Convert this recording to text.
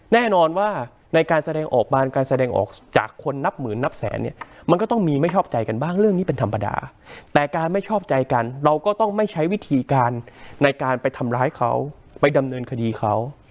แน่นอนว่าในการแสดงออกบานการแสดงออกจากคนนับหมื่นนับแสนเนี่ยมันก็ต้องมีไม่ชอบใจกันบ้างเรื่องนี้เป็นธรรมดาแต่การไม่ชอบใจกันเราก็ต้องไม่ใช้วิธีการในการไปทำร้ายเขาไปดำเนินคดีเขา